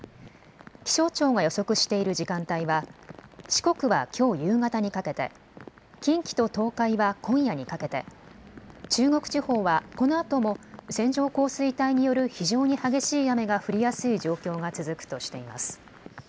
気象庁が予測している時間帯は四国はきょう夕方にかけて、近畿と東海は今夜にかけて、中国地方はこのあとも線状降水帯による非常に激しい雨が降りやすい状況が続くとしています。